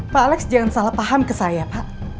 pak alex jangan salah paham ke saya pak